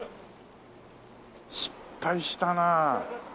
失敗したなあ。